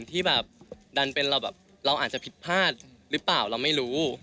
ที่ดันเป็นเราอาจจะผิดพลาดรึเปล่าเราไม่รู้